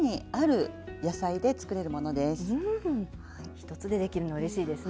１つでできるのうれしいですね。